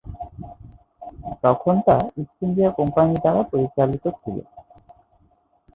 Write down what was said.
তখন তা East India company দ্বারা পরিচালিত ছিল।